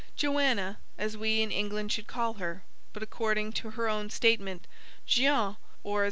Joanna, as we in England should call her, but, according to her own statement, Jeanne (or, as M.